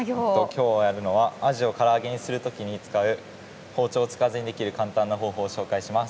今日やるのはアジをから揚げにする時に使う包丁を使わずにできる簡単な方法を紹介します。